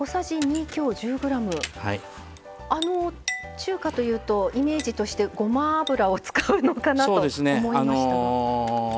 中華というとイメージとしてごま油を使うのかなと思いましたが。